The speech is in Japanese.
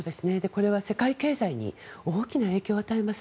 これは世界経済に大きな影響を与えます。